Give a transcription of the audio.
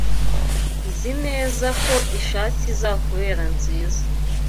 Nzi neza ko ishati izakubera nziza.